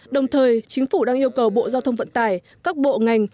đồng thời chính phủ đang yêu cầu bộ giao thông vận tải các bộ ngành